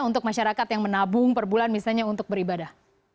untuk masyarakat yang menabung perbulan misalnya untuk beribadah